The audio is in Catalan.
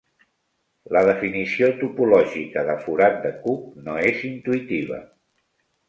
La definició topològica de forat de cuc no és intuïtiva.